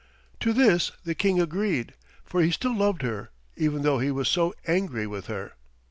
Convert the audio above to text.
To this the King agreed, for he still loved her, even though he was so angry with her.